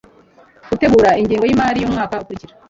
gutegura ingengo y'imari y'umwaka ukurikira